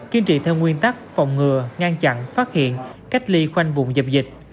kiên trì theo nguyên tắc phòng ngừa ngăn chặn phát hiện cách ly khoanh vùng dập dịch